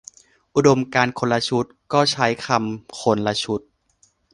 อุดมการณ์คนละชุด ก็ใช้คำคนละชุด